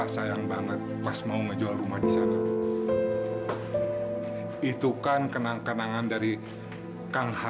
sampai jumpa di video selanjutnya